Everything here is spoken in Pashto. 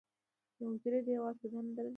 د حجرې دیوال څه دنده لري؟